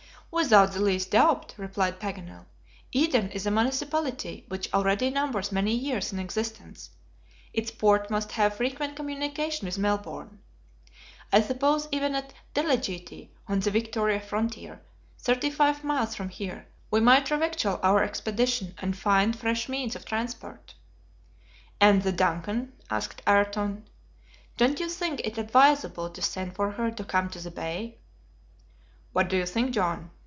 "Without the least doubt," replied Paganel. "Eden is a municipality which already numbers many years in existence; its port must have frequent communication with Melbourne. I suppose even at Delegete, on the Victoria frontier, thirty five miles from here, we might revictual our expedition, and find fresh means of transport." "And the DUNCAN?" asked Ayrton. "Don't you think it advisable to send for her to come to the bay?" "What do you think, John?"